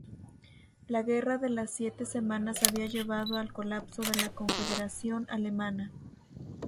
La Guerra de las Siete Semanas había llevado al colapso de la Confederación Alemana.